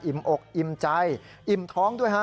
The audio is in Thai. อกอิ่มใจอิ่มท้องด้วยฮะ